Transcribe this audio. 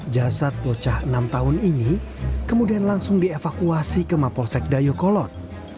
jasad bocah enam tahun ini kemudian langsung dievakuasi ke mapolsek dayokolot